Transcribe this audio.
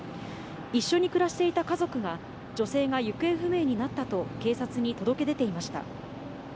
一緒に暮らしていた家族が、女性が行方不明になったと警察に届け出ていました。